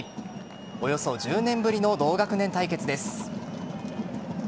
およそ１０年ぶりの同学年対決です。